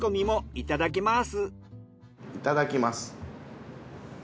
いただきます。